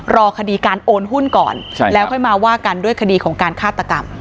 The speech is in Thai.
รอคดีการโอนหุ้นก่อนแล้วค่อยมาว่ากันด้วยคดีของการฆาตกรรม